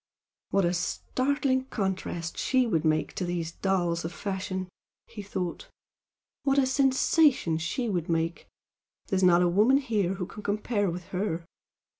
"What a startling contrast she would be to these dolls of fashion!" he thought "What a sensation she would make! There's not a woman here who can compare with her!